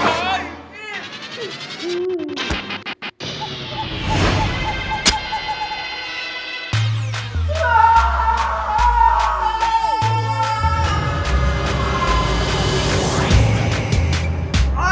เจ้าพวกมันแม่เอ้า